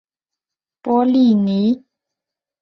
波利尼。